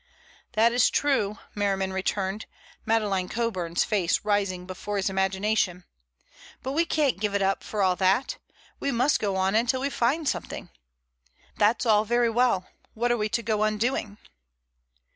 "That is true," Merriman returned, Madeleine Coburn's face rising before his imagination, "but we can't give it up for all that. We must go on until we find something." "That's all very well. What are we to go on doing?"